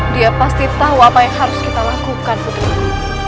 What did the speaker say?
dia pasti tau apa yang harus kita lakukan putriku